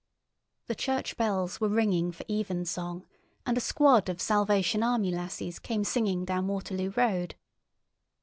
The church bells were ringing for evensong, and a squad of Salvation Army lassies came singing down Waterloo Road.